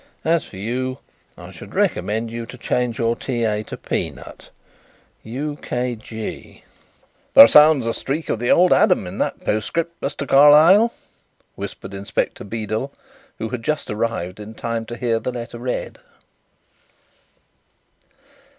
As for you, I should recommend you to change your T.A. to 'Peanut.' "U.K.G." "There sounds a streak of the old Adam in that postscript, Mr. Carlyle," whispered Inspector Beedel, who had just arrived in time to hear the letter read.